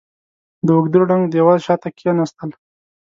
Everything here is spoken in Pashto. د اوږده ړنګ دېوال شاته کېناستل.